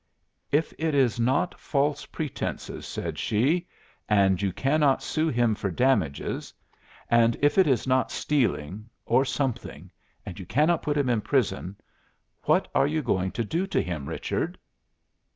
'If it is not false pretences,' said she, 'and you cannot sue him for damages, and if it is not stealing or something, and you cannot put him in prison, what are you going to do to him, Richard?